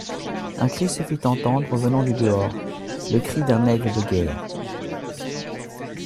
Un cri se fit entendre, venant du dehors : le cri d'un aigle de guerre.